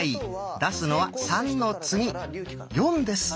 出すのは「３」の次「４」です。